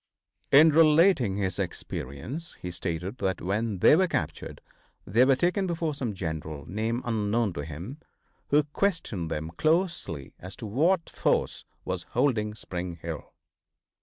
In relating his experience he stated that when they were captured they were taken before some general, name unknown to him, who questioned them closely as to what force was holding Spring Hill.